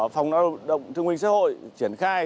phòng lao động thương minh xã hội triển khai